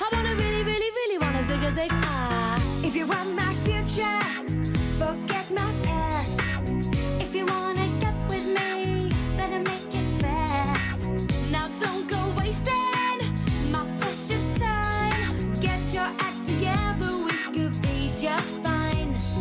โปรดติดตามตอนต่อไป